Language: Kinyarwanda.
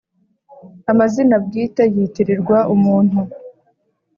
Amazina bwite yitirirwa umuntu